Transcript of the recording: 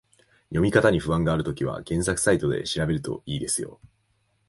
読み方に不安があるときは、検索サイトで調べると良いですよ